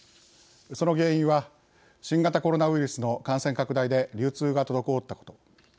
その原因は新型コロナウイルスの感染拡大で流通が滞ったこと。